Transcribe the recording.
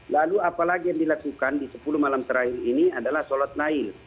lalu apalagi yang dilakukan di sepuluh malam terakhir ini adalah sholat nail